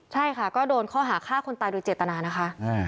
ใช่ค่ะก็โดนข้อหาฆ่าคนตายโดยเจตนานะคะ